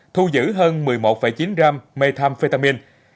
thu giữ hơn một mươi một chín gram methamphetamine